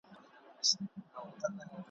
د دې ښار اجل راغلی مرګي کور پکښي اوډلی `